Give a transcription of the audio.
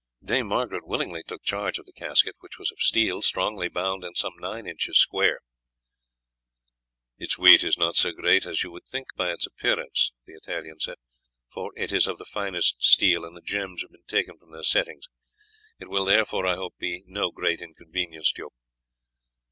Dame Margaret willingly took charge of the casket, which was of steel, strongly bound, and some nine inches square. "Its weight is not so great as you would think by its appearance," the Italian said, "for it is of the finest steel, and the gems have been taken from their settings. It will, therefore, I hope, be no great inconvenience to you."